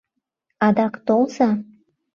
Адак толза!